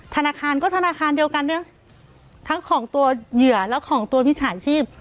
ธนาคารก็ธนาคารเดียวกันด้วยทั้งของตัวเหยื่อและของตัวมิจฉาชีพ